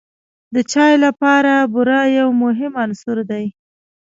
د چای لپاره بوره یو مهم عنصر دی.